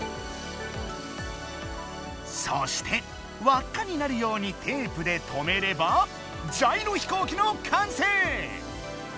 そしてわっかになるようにテープでとめればジャイロ飛行機の完成！